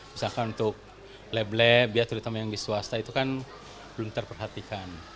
misalkan untuk lebleh biaya terutama yang di swasta itu kan belum terperhatikan